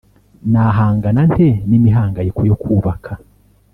Nahangana nte n imihangayiko yo kubaka